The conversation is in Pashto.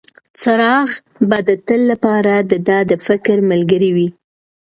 څراغ به د تل لپاره د ده د فکر ملګری وي.